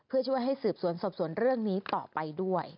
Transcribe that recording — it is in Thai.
เพื่อช่วยให้สืบสวนสอบสวนเรื่องนี้ต่อไปด้วย